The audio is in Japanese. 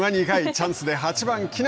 チャンスで８番木浪。